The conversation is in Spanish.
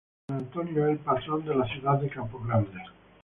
San Antonio es el patrón de la ciudad de Campo Grande.